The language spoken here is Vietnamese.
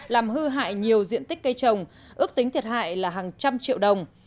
làm hư hại nhiều diện tích cây trồng ước tính thiệt hại là hàng trăm triệu đồng